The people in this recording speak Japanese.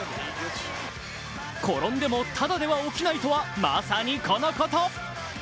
転んでも、ただでは起きないとはまさにこのこと。